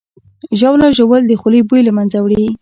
ژاوله ژوول د خولې بوی له منځه وړي.